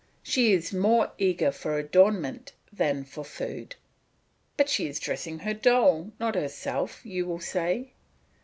She is more eager for adornment than for food. "But she is dressing her doll, not herself," you will say.